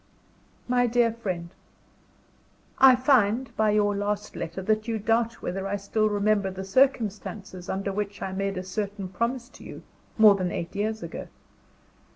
MY DEAR FRIEND, I find, by your last letter, that you doubt whether I still remember the circumstances under which I made a certain promise to you, more than eight years ago.